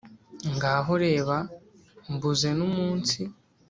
ngaho reba mbuze n'umunsi